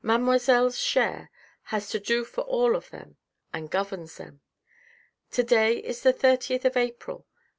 Mademoiselle's share has to do for all of them, and governs them. To day is the thirtieth of April